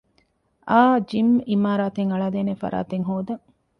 އައު ޖިމް އިމާރާތެއް އަޅައިދޭނޭ ފަރާތެއް ހޯދަން